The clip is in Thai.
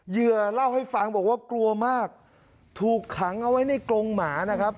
เหยื่อเล่าให้ฟังบอกว่ากลัวมากถูกขังเอาไว้ในกรงหมานะครับ